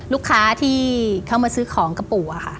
ลูกค้าที่เข้ามาซื้อของกับปู่